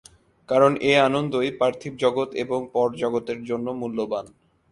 কারণ এ আনন্দই পার্থিব জগৎ এবং পর জগতের জন্য মূল্যবান।